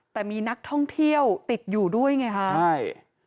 แต่มีนักท่องเที่ยวติดอยู่ด้วยไงคะใช่